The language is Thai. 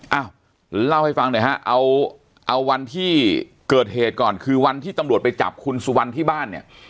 เอ้าเล่าให้ฟังหน่อยฮะเอาวันที่เกิดเหตุก่อนคือวันที่ตำรวจไปจับคุณสุวรรณที่บ้านเนี่ย